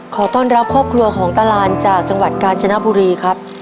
ขอต้อนรับครอบครัวของตาลานจากจังหวัดกาญจนบุรีครับ